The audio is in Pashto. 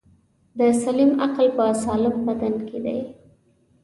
دسلیم عقل په سالم بدن کی دی.